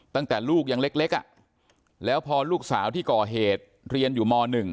ตั้งแต่ลูกยังเล็กแล้วพอลูกสาวที่ก่อเหตุเรียนอยู่ม๑